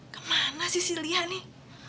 kemana sih si lia nih